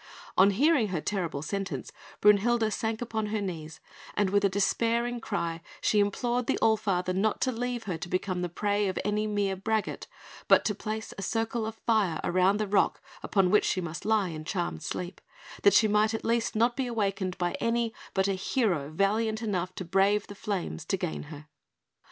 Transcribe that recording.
On hearing her terrible sentence, Brünhilde sank upon her knees; and with a despairing cry, she implored the All Father not to leave her to become the prey of any mere braggart, but to place a circle of fire around the rock upon which she must lie in charmed sleep, that she might at least not be awakened by any but a hero valiant enough to brave the flames to gain her.